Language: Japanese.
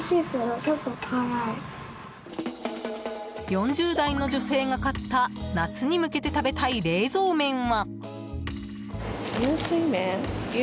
４０代の女性が買った夏に向けて食べたい冷蔵麺は。